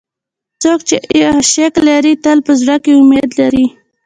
څوک چې عشق لري، تل په زړه کې امید لري.